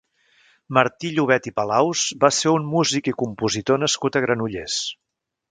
Martí Llobet i Palaus va ser un músic i compositor nascut a Granollers.